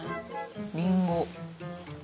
りんご。